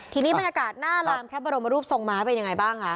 ทีนี้บรรยากาศหน้าลานพระบรมรูปทรงม้าเป็นยังไงบ้างคะ